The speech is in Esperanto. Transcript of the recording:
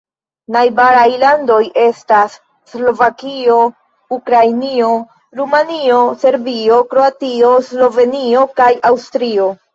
Najbaraj landoj estas Slovakio, Ukrainio, Rumanio, Serbio, Kroatio, Slovenio kaj Aŭstrio.